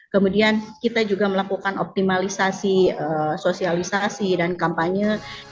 kemudian kita juga melakukan optimalisasi sosialisasi dan kampanye